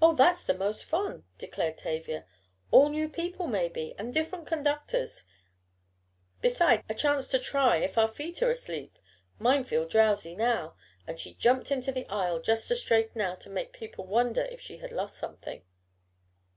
"Oh, that's the most fun," declared Tavia. "All new people maybe, and different conductors, besides a chance to try if our feet are asleep mine feel drowsy now," and she jumped into the aisle just to straighten out and make people wonder if she had lost something.